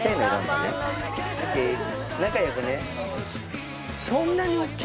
仲良くね。